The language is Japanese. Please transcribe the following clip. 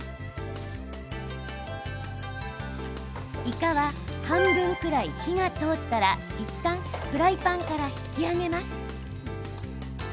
イカは、半分くらい火が通ったらいったんフライパンから引き上げます。